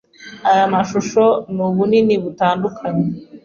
Aya mashusho ni ubunini butandukanye.